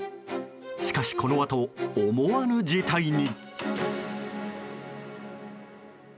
しかし、このあと思わぬ事態に。